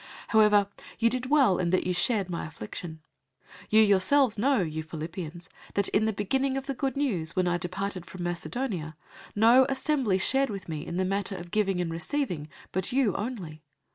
004:014 However you did well that you shared in my affliction. 004:015 You yourselves also know, you Philippians, that in the beginning of the Good News, when I departed from Macedonia, no assembly shared with me in the matter of giving and receiving but you only.